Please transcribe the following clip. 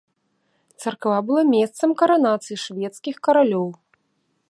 Царква была месцам каранацыі шведскіх каралёў.